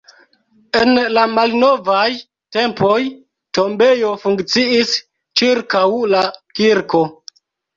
En la malnovaj tempoj tombejo funkciis ĉirkaŭ la kirko.